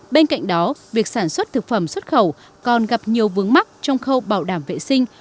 bên cạnh đó việc sản xuất thực phẩm xuất khẩu còn gặp nhiều vướng mắt trong khâu bảo đảm vệ sinh